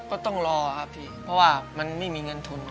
ก็ต้องรอครับพี่เพราะว่ามันไม่มีเงินทุน